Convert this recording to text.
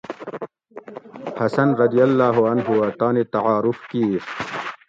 حسن رضی اللّٰہ عنہُ اۤ تانی تعارف کِیر